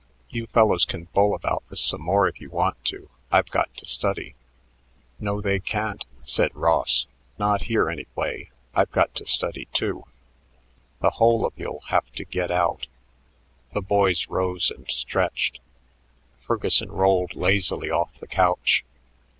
You fellows can bull about this some more if you want to; I've got to study." "No, they can't," said Ross. "Not here, anyway. I've got to study, too. The whole of you'll have to get out." The boys rose and stretched. Ferguson rolled lazily off the couch.